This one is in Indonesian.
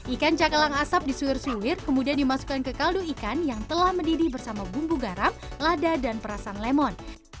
ikan cakalang asap disuir suwir kemudian dimasukkan ke kaldu ikan yang telah mendidih bersama bumbu garam lada dan perasan lemon